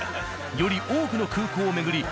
より多くの空港を巡り